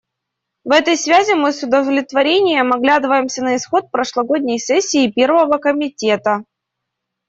В этой связи мы с удовлетворением оглядываемся на исход прошлогодней сессии Первого комитета.